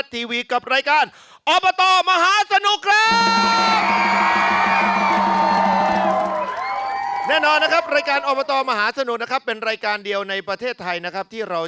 จูงมือบุดชุดมือหลานกำมือแฟนควงแขนแม่ยาย